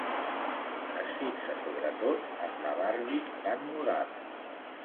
Es fixa sobretot en la barbi tan mudada.